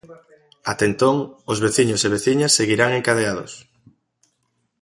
Até entón, os veciños e veciñas seguirán encadeados.